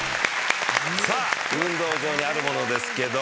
さあ運動場にあるものですけど。